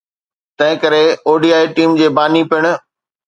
تنهن ڪري ODI team جي باني پڻ